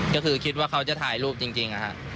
ก็คือคิดว่าเขาจะถ่ายรูปจริง